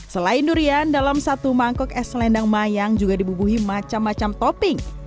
selain durian dalam satu mangkok es selendang mayang juga dibubuhi macam macam topping